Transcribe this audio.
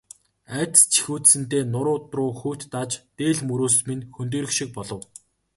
Айдас жихүүдсэндээ нуруу руу хүйт дааж, дээл мөрөөс минь хөндийрөх шиг болов.